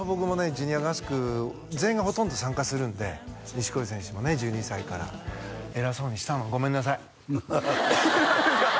ジュニア合宿全員がほとんど参加するんで錦織選手もね１２歳から偉そうにしたのごめんなさいえっ何ですか？